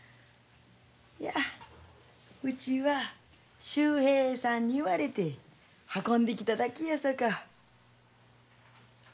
いやうちは秀平さんに言われて運んできただけやさか。